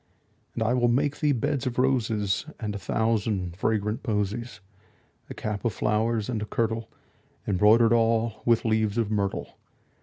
And I will make thee beds of roses And a thousand fragrant posies; 10 A cap of flowers, and a kirtle Embroider'd all with leaves of myrtle.